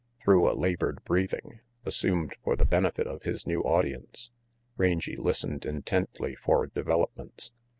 Through a labored breathing, assumed for the benefit of his new audience, Rangy listened intently for developments.